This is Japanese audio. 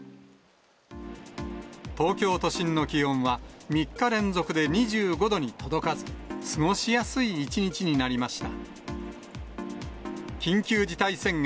東京都心の気温は、３日連続で２５度に届かず、過ごしやすい一日になりました。